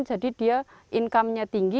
jadi dia income nya tinggi